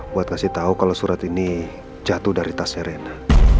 buat ngasih tau kalau surat ini jatuh dari tas serena